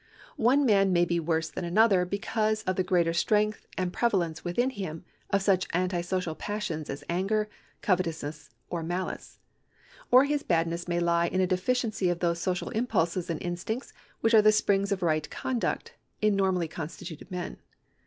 One man may be worse than another because of the greater strength and pre valence within him of such anti socialpassions as anger, covet ousness, or malice ; or his badness may lie in a deficiency of those social impulses and instincts which are the springs of right conduct in normally constituted men.